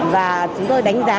và chúng tôi đánh giá